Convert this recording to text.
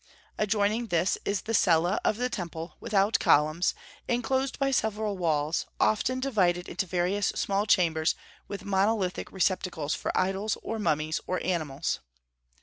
Adjoining this is the cella of the temple, without columns, enclosed by several walls, often divided into various small chambers with monolithic receptacles for idols or mummies or animals.